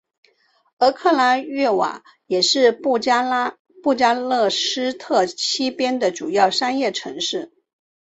而克拉约瓦也是布加勒斯特西边的主要商业城市。